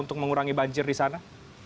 untuk mengurangi banjir di sana